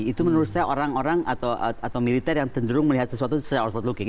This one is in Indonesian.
itu menurut saya orang orang atau militer yang cenderung melihat sesuatu secara outward looking